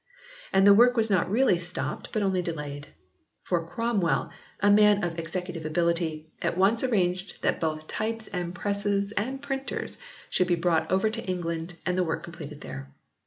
And the work was not really stopped but only delayed. For Cromwell, a man of executive ability, at once arranged that both types and presses and printers should be brought over to England and the work completed there.